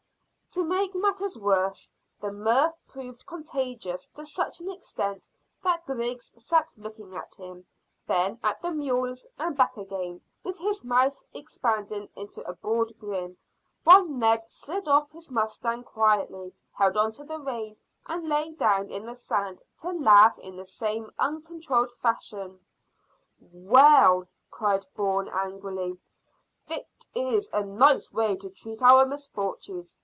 To make matters worse, the mirth proved contagious to such an extent that Griggs sat looking at him, then at the mules, and back again, with his mouth expanding into a broad grin, while Ned slid off his mustang quietly, held on to the rein, and then lay down in the sand, to laugh in the same uncontrolled fashion. "Well," cried Bourne angrily, "this is a nice way to treat our misfortunes!"